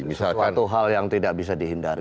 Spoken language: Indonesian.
suatu hal yang tidak bisa dihindari